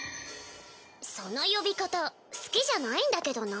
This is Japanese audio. その呼び方好きじゃないんだけどな。